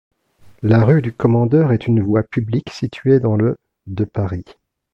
La rue du Commandeur est une voie publique située dans le de Paris.